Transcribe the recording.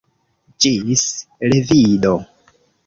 Ĝis revido